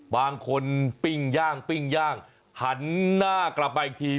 บางคนปิ้งย่างปิ้งย่างหันหน้ากลับมาอีกที